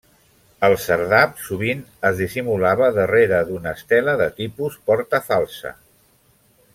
El serdab sovint es dissimulava darrere d'una estela de tipus 'porta falsa'.